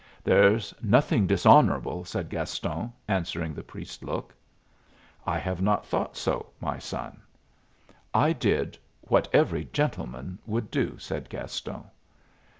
"There's nothing dishonorable," said Gaston, answering the priest's look. "I have not thought so, my son." "I did what every gentleman would do," said Gaston.